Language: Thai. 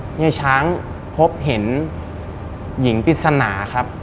เฮียช้างพบเห็นหญิงปริศนาครับ